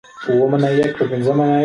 د ازموینې پایلې به ژر اعلان سي.